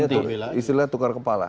istrinya istrinya tukar kepala